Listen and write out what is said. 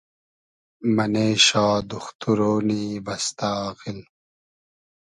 مئنې شا دوختورۉنی بئستۂ آغیل